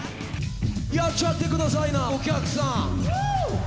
やっちゃってくださいな、お客さん。